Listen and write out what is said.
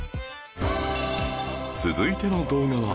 続いての動画は